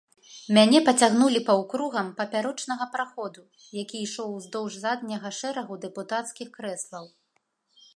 Мяне пацягнулі паўкругам папярочнага праходу, які ішоў уздоўж задняга шэрагу дэпутацкіх крэслаў.